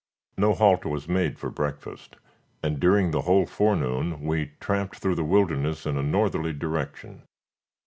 No halt was made for breakfast, and during the whole forenoon we tramped through the wilderness in a northerly direction.